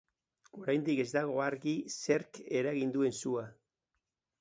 Oraindik ez dago argi zerk eragin duen sua.